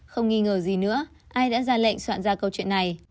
không nghi ngờ gì nữa ai đã ra lệnh soạn ra câu chuyện này